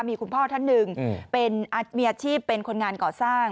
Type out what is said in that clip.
มีคุณพ่อท่านหนึ่งเป็นมีอาชีพเป็นคนงานก่อสร้าง